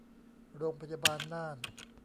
โรงพยาบาลน่าน